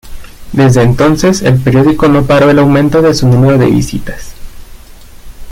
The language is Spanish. Desde entonces, el periódico no paró el aumento de su número de visitas.